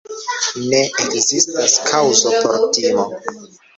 Ne ekzistas kaŭzo por timo.